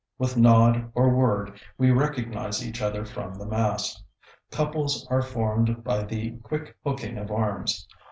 With nod or word we recognize each other from the mass. Couples are formed by the quick hooking of arms.